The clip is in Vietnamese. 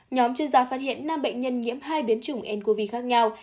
nhóm chuyên gia phát hiện năm bệnh nhân nhiễm hai biến chủng ncov khác nhau